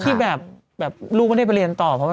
ที่แบบลูกไม่ได้ไปเรียนต่อ